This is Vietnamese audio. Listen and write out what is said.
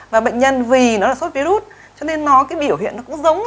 và bệnh nhân vì nó là sốt virus cho nên nói cái biểu hiện nó cũng giống